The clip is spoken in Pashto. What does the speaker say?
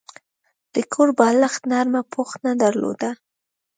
د کور بالښت نرمه پوښ نه درلوده.